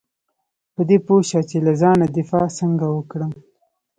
په دې پوه شه چې له ځانه دفاع څنګه وکړم .